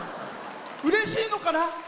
うれしいのかな。